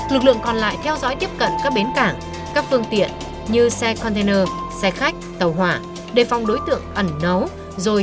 lực lượng còn lại theo dõi tiếp cận các bến cảng các phương tiện như xe container xe khách tàu hỏa để phòng đối tượng ẩn nấu rồi trà trộn trốn khỏi địa bàn